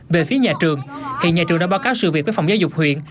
về phía nhà trường hiện nhà trường đã báo cáo sự việc với phòng giáo dục huyện